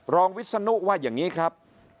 วิศนุว่าอย่างนี้ครับ